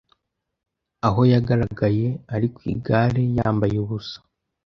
aho yagaragaye ari ku igare yambaye ubusa,